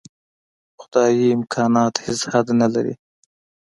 خدايي امکانات هېڅ حد نه لري.